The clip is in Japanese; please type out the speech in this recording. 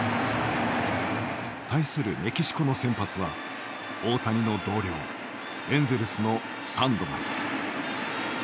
対するメキシコの先発は大谷の同僚エンゼルスのサンドバル。